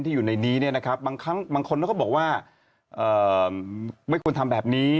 อยู่ในนี้เนี่ยนะครับบางครั้งบางคนเขาก็บอกว่าไม่ควรทำแบบนี้